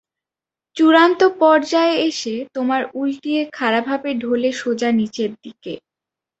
চূড়ান্ত পর্যায়ে এসে, তোমরা উল্টিয়ে খাড়াভাবে ঢলে সোজা নিচের দিকে।